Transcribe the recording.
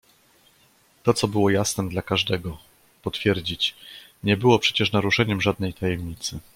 "To, co było jasnem dla każdego, potwierdzić, nie było przecież naruszeniem żadnej tajemnicy."